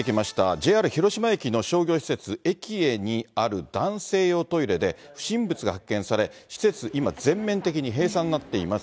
ＪＲ広島駅の商業施設、えきえにある男性用トイレで、不審物が発見され、施設、今全面的に閉鎖になっています。